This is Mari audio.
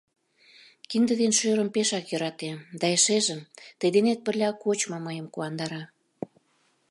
— Кинде ден шӧрым пешак йӧратем, да эшежым тый денет пырля кочмо мыйым куандара.